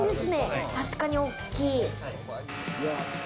確かに大きい。